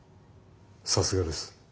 さすがです。